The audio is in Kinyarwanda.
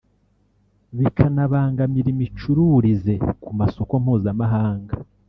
bikanabangamira imicururize ku masoko mpuzamahanga